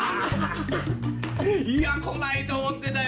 いや来ないと思ってたよ！